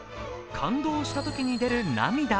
感動したときに出る涙。